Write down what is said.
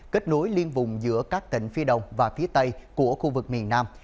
kết nối liên vùng giữa các tỉnh phía đông và phía tây của khu vực miền nam